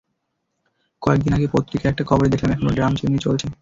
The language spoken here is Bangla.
কয়েক দিন আগে পত্রিকায় একটা খবরে দেখলাম, এখনো ড্রাম চিমনি চলছে।